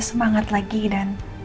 semangat lagi dan